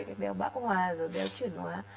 cái béo bão hòa rồi béo chuyển hóa